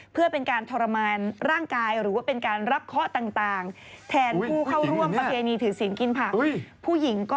เพื่อเป็นการทรมานร่างกายหรือเป็นการรับข้อต่าง